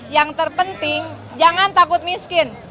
yang terpenting jangan takut miskin